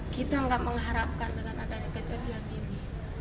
kita nggak mengharapkan dengan adanya kejadian ini